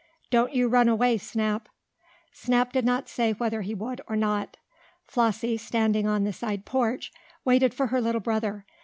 Don't you run away, Snap." Snap did not say whether he would or not. Flossie, standing on the side porch, waited for her little brother.